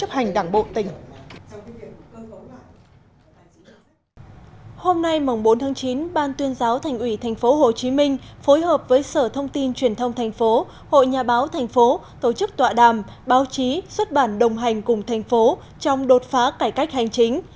hôm nay mồng bốn tháng chín ban tuyên giáo thành ủy tp hcm phối hợp với sở thông tin truyền thông tp hội nhà báo tp tổ chức tọa đàm báo chí xuất bản đồng hành cùng tp trong đột phá cải cách hành chính